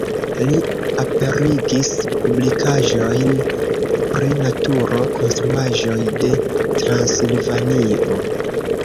Li aperigis publikaĵojn pri naturo, konstruaĵoj de Transilvanio.